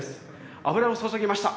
油を注ぎました！